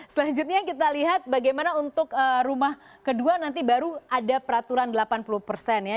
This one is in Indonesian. selanjutnya kita lihat bagaimana untuk rumah kedua nanti baru ada peraturan delapan puluh persen ya